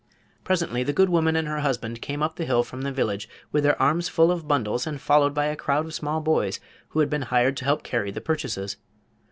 Presently the good woman and her husband came up the hill from the village with their arms full of bundles and followed by a crowd of small boys who had been hired to help carry the purchases.